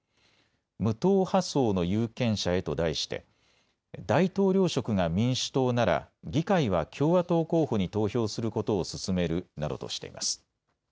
無党派層の有権者へと題して大統領職が民主党なら議会は共和党候補に投票することを勧めるなどとしています。